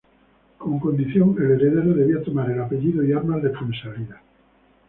Como condición, el heredero debía tomar el apellido y armas de Fuensalida.